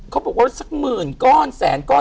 เขาบอกว่าสักหมื่นก้อนแสนก้อน